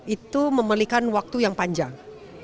itu memerlukan waktu yang panjang